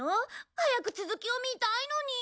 早く続きを見たいのに！